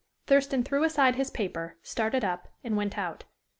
Thurston threw aside his paper, started up, and went out.